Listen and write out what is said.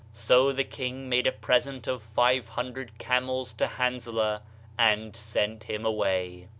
So the king made a present of five hundred camels to Hanzalah and sent him away.